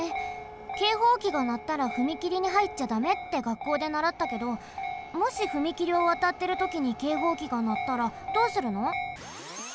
けいほうきがなったらふみきりにはいっちゃだめってがっこうでならったけどもしふみきりをわたってるときにけいほうきがなったらどうするの？